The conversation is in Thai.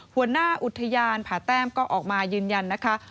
หัวหน้าอุทยานผาแต้มก็ออกมายืนยันนะคะ